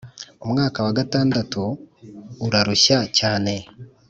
umwaka wa gatandatu urarushya cyane